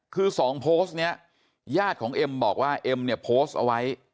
คือสองโพสต์นี้ญาติของเอ็มบอกว่าเอ็มเนี่ยโพสต์เอาไว้